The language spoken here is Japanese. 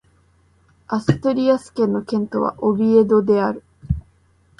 アストゥリアス県の県都はオビエドである